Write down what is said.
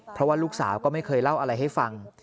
เพราะว่าลูกสาวก็ไม่เคยเล่าอะไรให้ฟัง